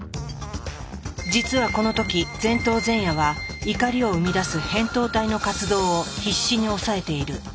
実はこの時前頭前野は怒りを生み出す扁桃体の活動を必死に抑えている。